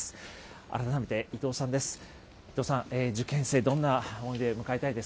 改めて伊藤さんです。